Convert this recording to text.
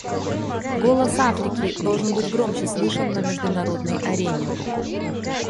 Голос Африки должен быть громче слышан на международной арене.